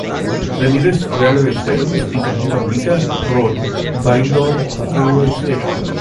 The nearest railway stations is Mookambika Road Byndoor railway station.